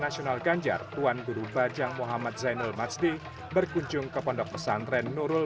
nasional ganjar tuan guru bajang muhammad zainul maxdi berkunjung ke pondok pesantren nurul